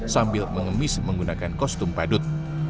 sambil mengemis menggunakan kostum padut